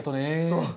そう。